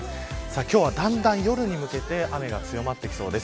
今日は、だんだん夜に向けて雨が強まってきそうです。